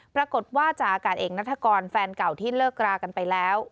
ปรากฏว่าจากอากาศเอกนัฐกรแฟนเก่าที่เลิกรากันไปแล้ว